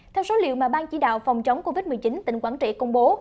theo số liệu mà ban chỉ đạo phòng chống covid một mươi chín tỉnh quảng trị công bố